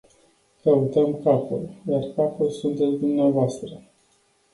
Căutăm capul, iar capul sunteți dvs.!